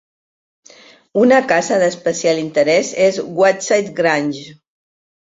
Una casa d'especial interès és Woodside Grange.